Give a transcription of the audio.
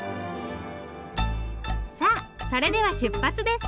さあそれでは出発です。